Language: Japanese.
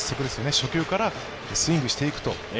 初球からスイングしていくと。